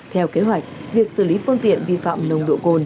theo kế hoạch việc xử lý phương tiện vi phạm nồng độ cồn